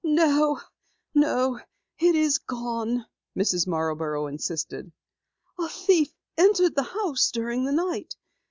"No no, it is gone," Mrs. Marborough insisted. "A thief entered the house during the night.